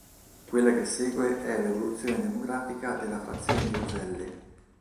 Quella che segue è l'evoluzione demografica della frazione di Roselle.